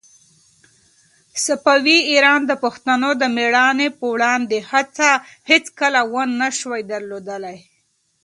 صفوي ایران د پښتنو د مېړانې په وړاندې هيڅکله ونه شوای درېدلای.